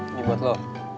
ini buat lo